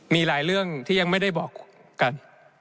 มีหลายเรื่องที่ยังไม่ได้บอกกัน